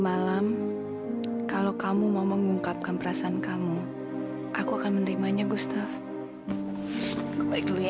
malam kalau kamu mau mengungkapkan perasaan kamu aku akan menerimanya gustaf baik dulu ya